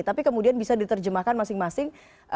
tapi kemudian bisa diterjemahkan masing masing